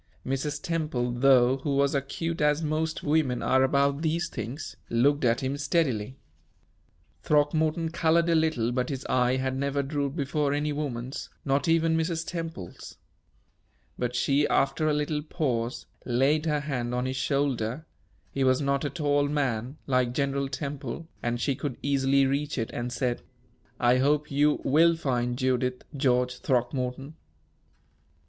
Mrs. Temple, though, who was acute as most women are about these things, looked at him steadily. Throckmorton colored a little, but his eye had never drooped before any woman's, not even Mrs. Temple's. But she, after a little pause, laid her hand on his shoulder he was not a tall man, like General Temple, and she could easily reach it and said: "I hope you will find Judith, George Throckmorton."